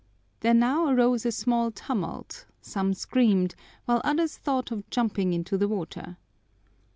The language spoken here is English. There now arose a small tumult; some screamed, while others thought of jumping into the water.